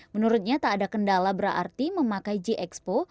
menurutnya tak ada kendala berarti memakai j i expo